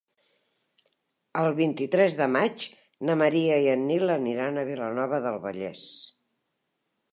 El vint-i-tres de maig na Maria i en Nil aniran a Vilanova del Vallès.